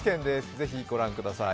ぜひ、ご覧ください。